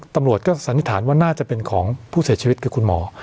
ตำรวจก็สันนิษฐานว่าน่าจะเป็นของผู้เสียชีวิตคือคุณหมอ